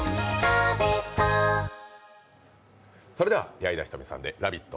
矢井田瞳さんで「ラヴィット！」